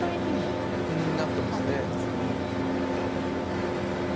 なってますね。